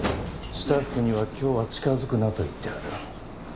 スタッフには今日は近づくなと言ってある。